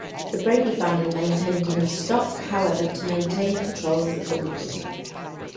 The Brady family maintained enough stock, however, to maintain control of the company.